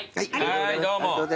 はいどうも。